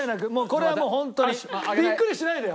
これはもうホントにビックリしないでよ。